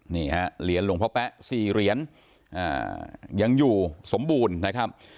นี่ฮะเหรียญหลวงพ่อแป๊ะ๔เหรียญยังอยู่สมบูรณ์นะครับ